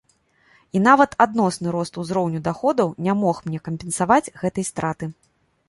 І нават адносны рост узроўню даходаў не мог мне кампенсаваць гэтай страты.